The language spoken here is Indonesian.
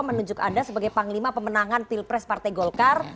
menunjuk anda sebagai panglima pemenangan pilpres partai golkar